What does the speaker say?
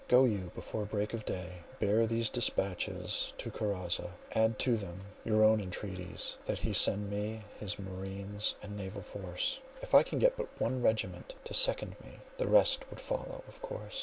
Go you before break of day, bear these dispatches to Karazza, add to them your own entreaties that he send me his marines and naval force; if I can get but one regiment to second me, the rest would follow of course.